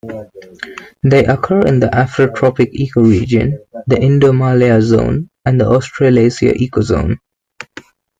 They occur in the Afrotropic ecoregion, the Indomalaya zone, and the Australasia ecozone.